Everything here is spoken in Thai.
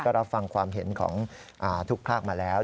รับฟังความเห็นของทุกภาคมาแล้ว